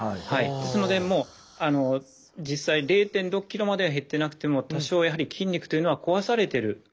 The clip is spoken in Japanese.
ですので実際０．６ｋｇまでは減ってなくても多少やはり筋肉というのは壊されてる。